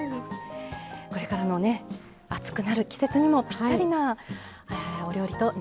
これからの暑くなる季節にもぴったりなお料理となりました。